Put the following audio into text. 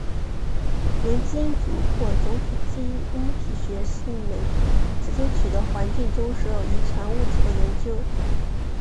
元基因组或总体基因体学是一门直接取得环境中所有遗传物质的研究。